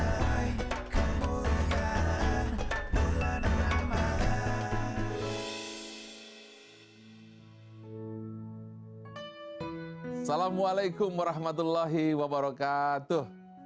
assalamualaikum warahmatullahi wabarakatuh